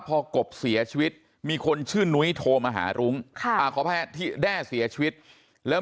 พอกบเสียชีวิตมีคนชื่อนุ้ยโทรมาหารุ้งขออภัยที่แด้เสียชีวิตแล้ว